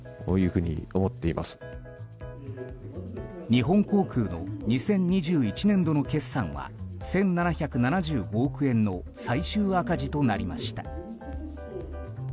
日本航空の２０２１年度の決算は１７７５億円の最終赤字となりました。